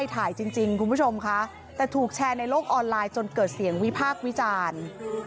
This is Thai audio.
แต่ถูกแชร์ในโลกออนไลน์จนเกิดเสียงวิพาทวิจารณ์